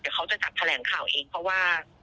แต่เขาจะจัดแถลงข่าวเองเพราะว่า